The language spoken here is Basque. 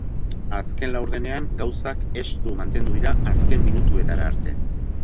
Azken laurdenean, gauzak estu mantendu dira azken minuetara arte.